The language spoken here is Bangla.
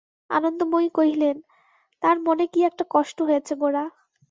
আনন্দময়ী কহিলেন, তার মনে কী একটা কষ্ট হয়েছে গোরা।